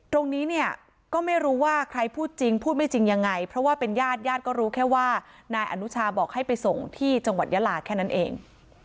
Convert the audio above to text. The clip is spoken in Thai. ตรงนี้เนี่ยก็ไม่รู้ว่าใครพูดจริงพูดไม่จริงยังไงเพราะว่าเป็นญาติญาติก็รู้แค่ว่านายอนุชาบอกให้ไปส่งที่จังหวัดยาลาแค่นั้นเอง